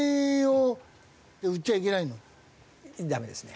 ダメですね。